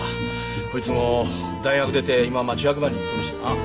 こいつも大学出て今町役場に行っとるしな。